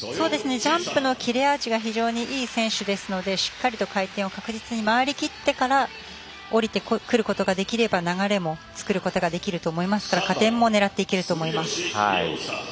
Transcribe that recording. ジャンプの切れ味が非常にいい選手ですのでしっかりと回転を確実に回ってから降りてくることができれば流れも作ることができると思いますから加点も狙っていけると思います。